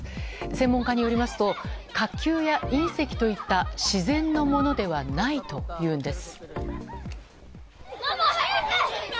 専門家によりますと火球や隕石といった自然のものではないというんです。